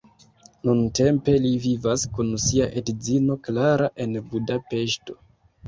Nuntempe li vivas kun sia edzino Klara en Budapeŝto.